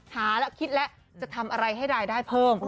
หาแล้วคิดแล้วจะทำอะไรให้รายได้เพิ่ม